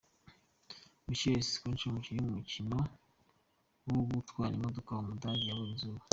Michael Schumacher, umukinnyi w’umukino wo gutwara imodoka w’umudage yabonye izuba.